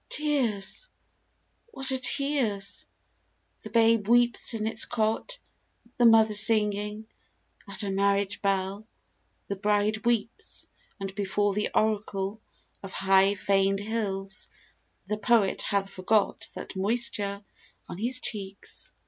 Tears ! what are tears ? The babe weeps in its cot, The mother singing'; at her marriage bell, The bride weeps; and before the oracle Of high faned hills, the poet hath forgot That moisture on his cheeks.